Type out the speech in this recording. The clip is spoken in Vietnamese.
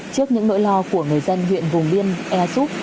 trước những nỗi lo của người dân huyện vùng biên ea súp